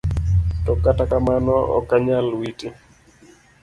To kata kamano okanyal witi.